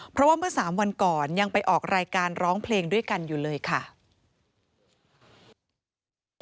เพราะว่าเมื่อ๓วันก่อนยังไปออกรายการร้องเพลงด้วยกันอยู่เลยค่ะ